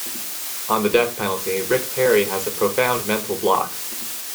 On the death penalty, Rick Perry has a profound mental block.